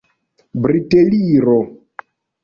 briteliro